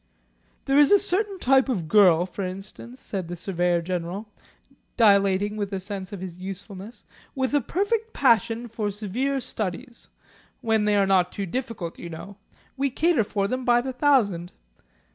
"There is a certain type of girl, for example," said the Surveyor General, dilating with a sense of his usefulness, "with a perfect passion for severe studies when they are not too difficult you know. We cater for them by the thousand.